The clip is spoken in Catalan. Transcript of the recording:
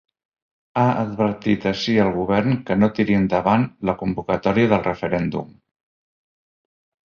Ha advertit així el govern que no tiri endavant la convocatòria del referèndum.